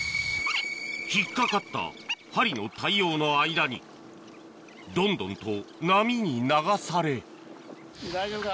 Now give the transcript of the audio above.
引っかかった針の対応の間にどんどんと波に流され大丈夫か？